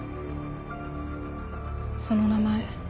その名前